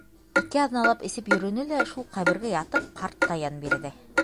Ике аҙналап эсеп йөрөнө лә, шул ҡәбергә ятып, ҡарт та йән бирҙе.